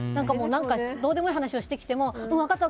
どうでもいい話をしてきても分かった！